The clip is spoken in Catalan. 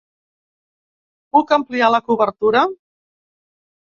Puc ampliar la cobertura?